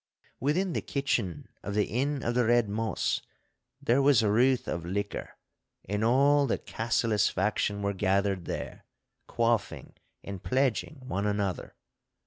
Within the kitchen of the Inn of the Red Moss there was routh of liquor, and all the Cassillis faction were gathered there, quaffing and pledging one another.